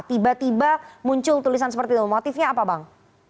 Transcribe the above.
tiba tiba muncul tulisan seperti itu motifnya apa bang